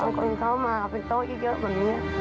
คนเขามาเป็นโต๊ะที่เยอะกว่านี้